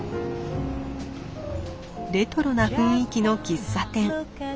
レトロな雰囲気の喫茶店。